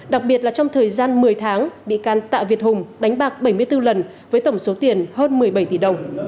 đặc biệt là trong thời gian một mươi tháng bị can tạ việt hùng đánh bạc bảy mươi bốn lần với tổng số tiền hơn một mươi bảy tỷ đồng